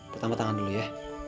pertama tangan dulu ya